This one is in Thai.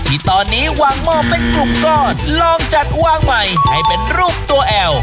ที่ตอนนี้วางหม้อเป็นกลุ่มก้อนลองจัดวางใหม่ให้เป็นรูปตัวแอล